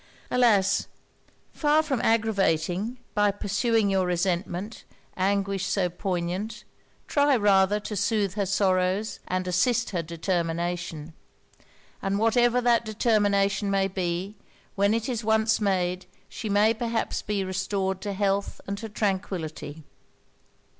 Alas! far from aggravating, by pursuing your resentment, anguish so poignant, try rather to soothe her sorrows and assist her determination. And whatever that determination may be, when it is once made she may perhaps be restored to health and to tranquillity.'